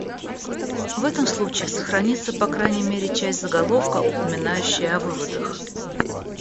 В этом случае сохранится, по крайней мере, часть заголовка, упоминающая о выводах.